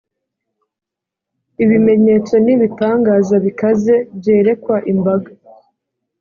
ibimenyetso n’ibitangaza bikaze byerekwa imbaga